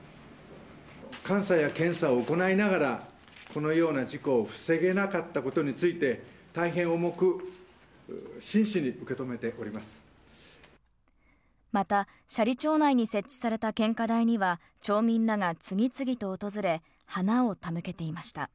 監査や検査を行いながら、このような事故を防げなかったことについて、大変重く、真摯に受また、斜里町内に設置された献花台には、町民らが次々と訪れ、花を手向けていました。